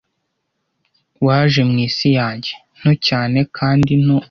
Waje mwisi yanjye, nto cyane kandi nto ...